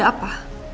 ini ada apa